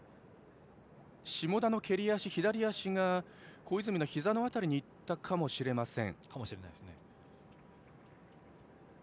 下田の蹴り足、左足が小泉のひざの辺りにいったかもしれません。